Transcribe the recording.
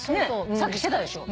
さっきしてたでしょ？